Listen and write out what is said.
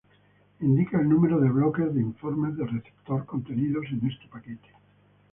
Indica el número de bloques de informes de receptor contenidos en este paquete.